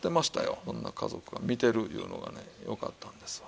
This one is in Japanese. そんな家族が見てるいうのがね良かったんですわ。